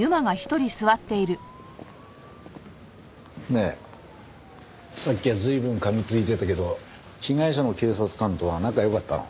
ねえさっきは随分かみついてたけど被害者の警察官とは仲良かったの？